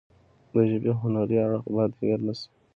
د ژبې هنري اړخ باید هیر نشي.